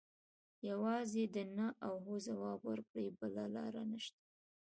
یوازې د نه او هو ځواب ورکړي بله لاره نشته.